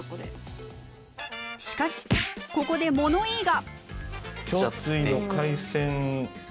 しかしここで物言いが！